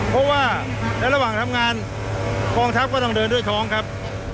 เพราะว่าในระหว่างทำงานกองทัพก็ต้องเดินด้วยท้องครับ